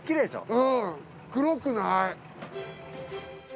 うん黒くない。